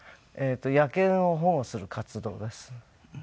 野犬を保護する活動です。